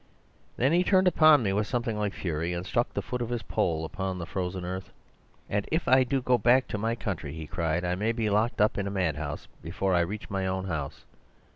"Then he turned upon me with something like fury, and struck the foot of his pole upon the frozen earth. "'And if I do go back to my country,' he cried, 'I may be locked up in a madhouse before I reach my own house.